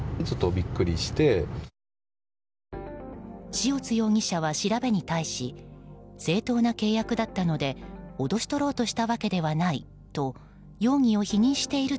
塩津容疑者は調べに対し正当な契約だったので脅し取ろうとしたわけではないと容疑を否認している